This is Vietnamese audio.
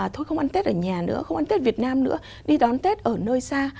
thôi không ăn tết ở nhà nữa không ăn tết việt nam nữa đi đón tết ở nơi xa